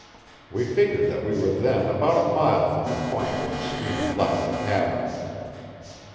We figured that we were then about a mile from the Point where the stream left the cavern.